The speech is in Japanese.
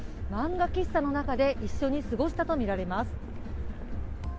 漫画喫茶の中で一緒に過ごしたとみられます。